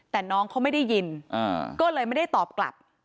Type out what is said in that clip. แต่น้องเขาไม่ได้ยินก็เลยไม่ได้ตอบกลับ